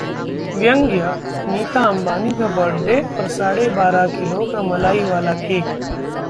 व्यंग्यः नीता अंबानी का बर्थडे और साढ़े बारह किलो का मलाई वाला केक